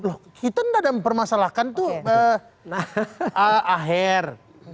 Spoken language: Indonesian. loh itu tidak ada permasalahan itu akhir